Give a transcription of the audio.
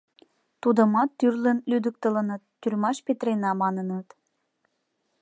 Тудымат тӱрлын лӱдыктылыныт, тюрьмаш петырена, маныныт.